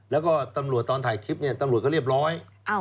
แล้วก็ตำรวจตอนถ่ายคลิปเนี่ยตำรวจก็เรียบร้อย